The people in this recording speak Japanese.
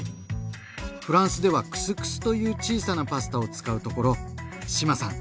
フランスではクスクスという小さなパスタを使うところ志麻さん